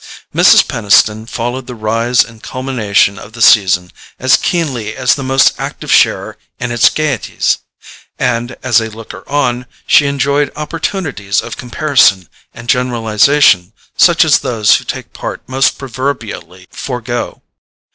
Mrs. Peniston followed the rise and culmination of the season as keenly as the most active sharer in its gaieties; and, as a looker on, she enjoyed opportunities of comparison and generalization such as those who take part must proverbially forego.